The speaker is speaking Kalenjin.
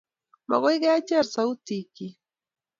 Makoi kecher sautikyi